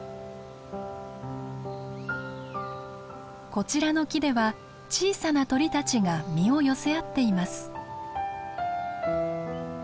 こちらの木では小さな鳥たちが身を寄せ合っています。